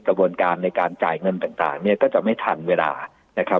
กระบวนการในการจ่ายเงินต่างเนี่ยก็จะไม่ทันเวลานะครับ